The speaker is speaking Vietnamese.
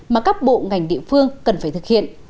mà các bộ ngành địa phương cần phải thực hiện